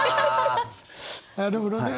なるほどね。